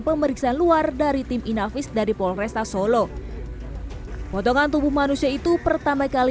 pemeriksa luar dari tim inavis dari polresta solo potongan tubuh manusia itu pertama kali